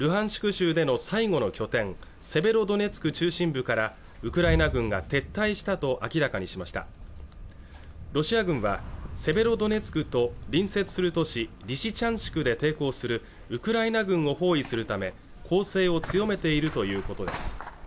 州での最後の拠点セベロドネツク中心部からウクライナ軍が撤退したと明らかにしましたロシア軍はセベロドネツクと隣接する都市リシチャンシクで抵抗するウクライナ軍を包囲するため攻勢を強めているということです